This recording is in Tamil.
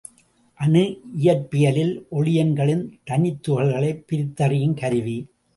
அணு இயற்பியலில் ஒளியன்களின் தனித்துகள்களைப் பிரித்தறியும் கருவி.